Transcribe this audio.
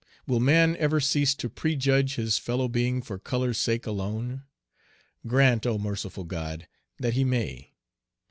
Will man ever cease to prejudge his fellow being for color's sake alone? Grant, O merciful God, that he may!